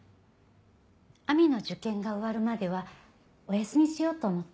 亜美の受験が終わるまではお休みしようと思って。